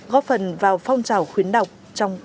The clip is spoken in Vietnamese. góp phần vào phong trào khuyến đọc trong công an nhân dân